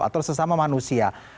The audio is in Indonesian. atau sesama manusia